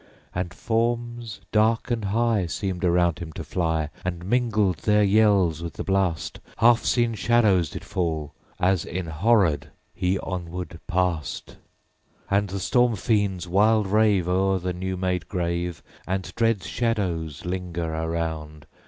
12. And forms, dark and high, _65 Seemed around him to fly, And mingle their yells with the blast: And on the dark wall Half seen shadows did fall, As enhorrored he onward passed. _70 13. And the storm fiends wild rave O'er the new made grave, And dread shadows linger around.